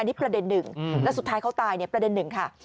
อันนี้ประเด็นหนึ่งแล้วสุดท้ายเขาตายเนี่ยประเด็นหนึ่งค่ะ